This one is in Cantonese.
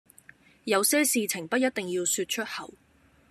有些事情不一定要說出口